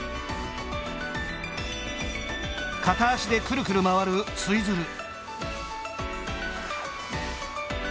片足でくるくる回るツイズル。